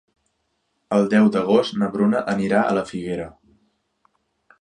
El deu d'agost na Bruna anirà a la Figuera.